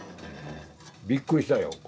びっくりしたよ